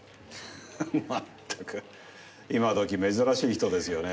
まったく今時珍しい人ですよね。